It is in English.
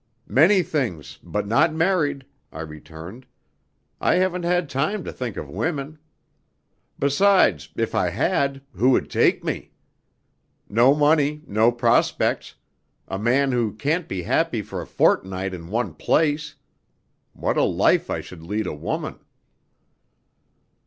"Many things, but not married," I returned. "I haven't had time to think of women. Besides, if I had, who would take me? No money, no prospects, a man who can't be happy for a fortnight in one place! What a life I should lead a woman!"